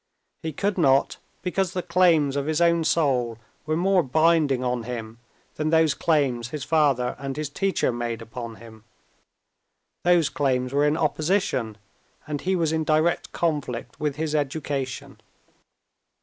He could not, because the claims of his own soul were more binding on him than those claims his father and his teacher made upon him. Those claims were in opposition, and he was in direct conflict with his education.